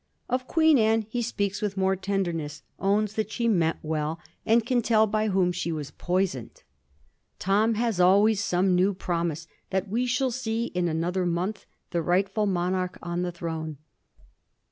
Of Queen Anne he speaks with more tenderness ; owns that she meant well, and can tell by whom she was poisoned. Tom has always some new promise that we shall see in another month the rightfdl monarch on the throne.